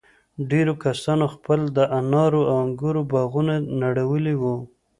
ډېرو کسانو خپل د انارو او انگورو باغونه نړولي وو.